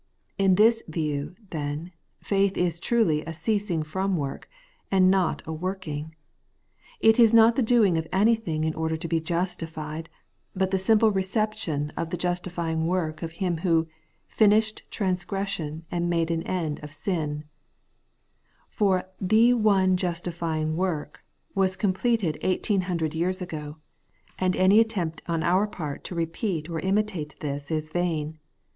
In this view, then, faith is truly a ceasing from work, and not a working ; it is not the doing of anything in order to be justified, but the simple reception of the justifying work of Him who 'finished transgression and made an end of sin :' for THE ONE justifying work was completed eighteen hundred years ago, and any attempt on our part to repeat or imitate this is vain.